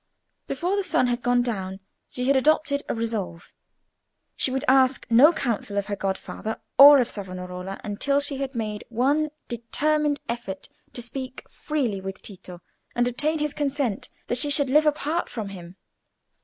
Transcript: Before the sun had gone down she had adopted a resolve. She would ask no counsel of her godfather or of Savonarola until she had made one determined effort to speak freely with Tito and obtain his consent that she should live apart from him.